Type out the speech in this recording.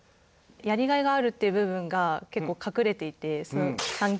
やりがいがあるっていう部分がけっこうかくれていて３Ｋ？